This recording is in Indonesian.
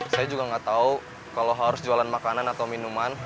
saya juga nggak tahu kalau harus jualan makanan atau minuman